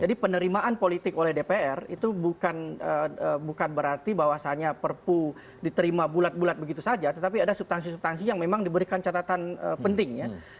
jadi kelemahan politik oleh dpr itu bukan berarti bahwasannya perpu diterima bulat bulat begitu saja tetapi ada subtansi subtansi yang memang diberikan catatan penting